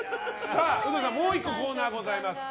ウドさん、もう１個コーナーございます。